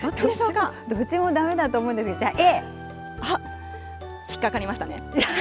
どっちもだめだと思うんですあっ、引っ掛かりましたね。